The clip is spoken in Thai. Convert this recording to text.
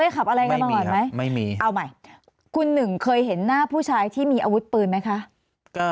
ขุดหนึ่งเคยเห็นหน้าผู้ชายที่มีอวุธปืนไหมคะ